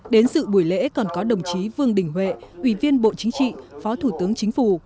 đến sự buổi lễ còn có đồng chí vương đình huệ ủy viên bộ chính trị phó thủ tướng chính phủ